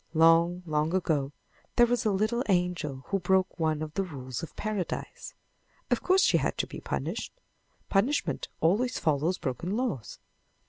Long, long ago there was a little angel who broke one of the rules of Paradise. Of course she had to be punished. Punishment always follows broken laws.